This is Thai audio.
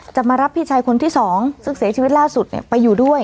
จะมารับพี่ชายคนที่สองซึ่งเสียชีวิตล่าสุดไปอยู่ด้วย